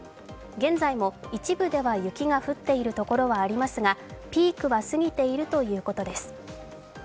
現在も一部では雪が降っているところがありますが、ピークは過ぎているということです。